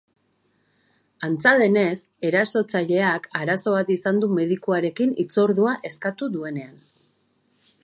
Antza denez, erasotzaileak arazo bat izan du medikuarekin hitzordua eskatu duenean.